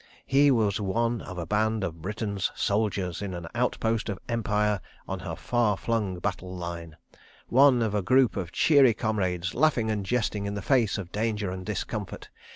He was one of a band of Britain's soldiers in an outpost of Empire on her far flung battle line. ... One of a group of cheery comrades, laughing and jesting in the face of danger and discomfort.